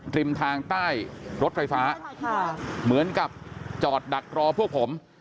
ริมทางใต้รถไฟฟ้าเหมือนกับจอดดักรอพวกผม